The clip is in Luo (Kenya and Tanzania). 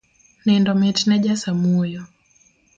Nindo mitne ja samuoyo